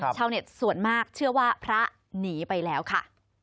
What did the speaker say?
ชาวเน็ตส่วนมากเชื่อว่าพระหนีไปแล้วค่ะ